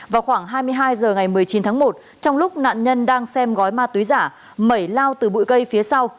vào khoảng hai mươi hai h ngày một mươi chín tháng một trong lúc nạn nhân đang xem gói ma túy giả mẩy lao từ bụi cây phía sau